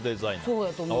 そうやと思う。